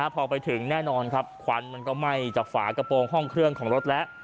พอไปถึงแน่นอนครับควันมันก็ไหม้จากฝากระโปรงห้องเครื่องของรถแล้ว